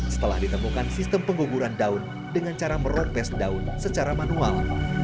setelah ditemukan sistem pengguguran daun dengan cara meropes daun secara manual